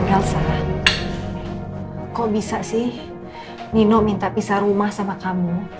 elsa kok bisa sih nino minta pisah rumah sama kamu